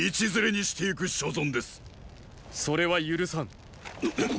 それは許さん。